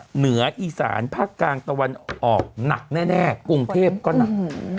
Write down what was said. เหนืออีสานภาคกลางตะวันออกหนักแน่กรุงเทพก็หนัก